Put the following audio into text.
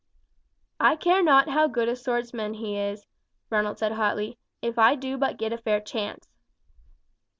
"I care not how good a swordsmen he is," Ronald said hotly, "if I do but get a fair chance."